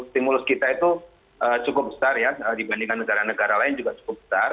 stimulus kita itu cukup besar ya dibandingkan negara negara lain juga cukup besar